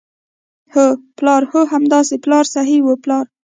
هو، پلار، هو همداسې پلار صحیح وو، پلار.